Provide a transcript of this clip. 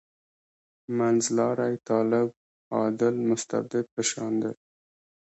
منځلاری طالب «عادل مستبد» په شان دی.